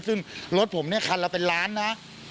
ซึ่งรถผมเนี่ยคันละเป็นล้านนะ